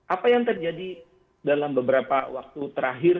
apa yang terjadi dalam beberapa waktu terakhir